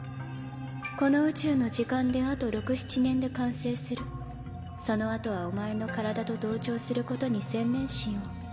この宇宙の時間であと６７年で完成するそのあとはお前の体と同調することに専念しよう。